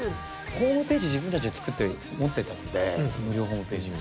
ホームページ自分たちで作って持ってたので無料ホームページ。